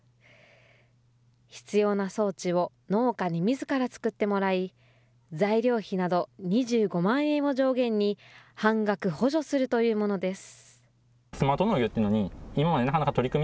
必要な装置を農家にみずから作ってもらい、材料費など２５万円を上限に、半額補助するというものです。